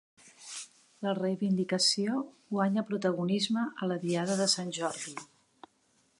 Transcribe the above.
La reivindicació guanya protagonisme a la diada de Sant Jordi